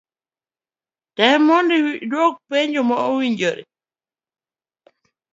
Tem momdo iduok penjo ma owinjore.